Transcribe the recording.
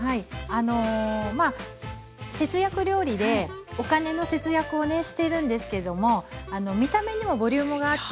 あのまあ節約料理でお金の節約をねしてるんですけども見た目にもボリュームがあってね